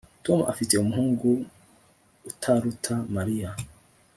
Tom afite umuhungu utaruta Mariya